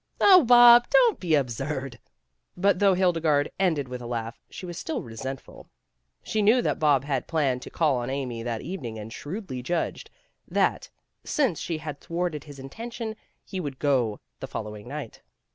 "Oh, Bob, don't be so absurd." But though Hildegarde ended with a laugh, she was still resentful. She knew that Bob had planned to call on Amy that evening and shrewdly judged that, since she had thwarted his intention, he would go the following night.